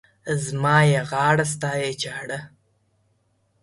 زما يې غاړه، ستا يې چاړه.